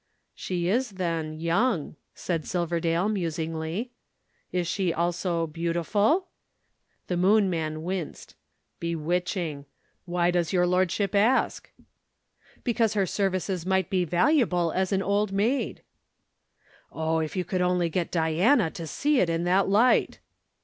"She is, then, young," said Silverdale, musingly. "Is she also beautiful?" The Moon man winced. "Bewitching. Why does your lordship ask?" "Because her services might be valuable as an Old Maid." "Oh, if you could only get Diana to see it in that light!"